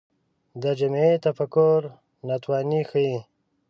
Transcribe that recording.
دا جمعي تفکر ناتواني ښيي